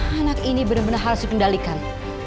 anak ini bener bener harus dikendalikan